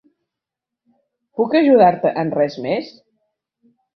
Puc ajudar-te en res més?